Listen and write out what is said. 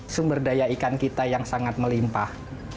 sumber daya ikan kita yang sangat melimpah